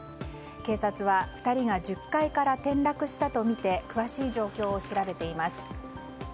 警察は２人が１０階から転落したとみて詳しい状況を調べています。